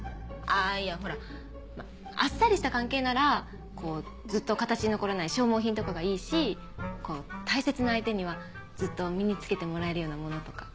いやほらあっさりした関係ならずっと形に残らない消耗品とかがいいし大切な相手にはずっと身に着けてもらえるようなものとか。